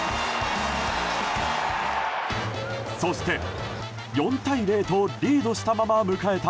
そして、４対０とリードしたまま迎えた